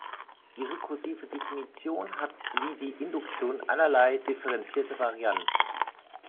Die rekursive Definition hat wie die Induktion allerlei differenzierte Varianten.